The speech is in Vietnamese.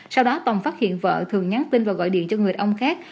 sau đó tòng phát hiện vợ thường nhắn tin và gọi điện cho người đàn ông khác